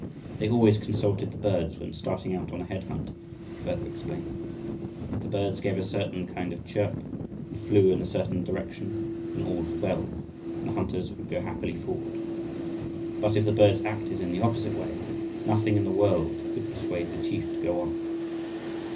They always consulted the birds when starting out on a head hunt, he further explained. If the birds gave a certain kind of chirp and flew in a certain direction, then all was well, and the hunters would go happily forward. But if the birds acted in the opposite way, nothing in the world could persuade the chief to go on.